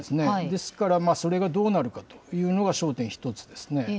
ですからそれがどうなるかというのが、焦点、一つですね。